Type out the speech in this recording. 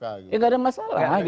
ya tidak ada masalah